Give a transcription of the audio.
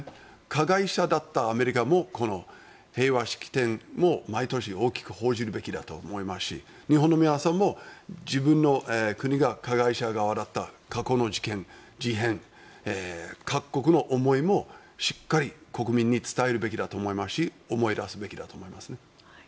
加害者だったアメリカもこの平和式典を毎年大きく報じるべきだと思いますし日本の皆さんも自分の国が加害者側だった過去の事件、事変各国の思いも、しっかり国民に伝えるべきだと思いますし思い出すべきだと思いますね。